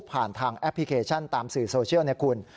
ผ่านทางแอปพลิเคชันตามสื่อโซเชียลเนี่ยคุณ